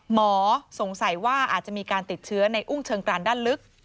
หมอสงสัยว่าอาจจะมีการติดเชื้อในอุ้งเชิงกรานด้านลึก